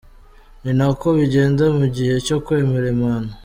Ni nako bigenda mu gihe cyo kwemera impano.